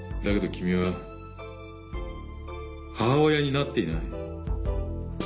だけど君は母親になっていない。